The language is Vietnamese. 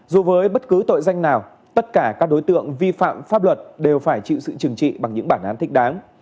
dù với bất cứ tội danh nào tất cả các đối tượng vi phạm pháp luật đều phải chịu sự trừng trị bằng những bản án thích đáng